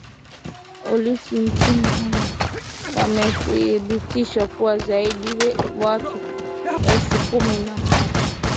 olisi nchini humo wamethibitisha kuwa zaidi watu elfu kumi na tatu